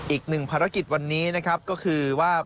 อีกหนึ่งภารกิจวันนี้นะครับก็คือว่า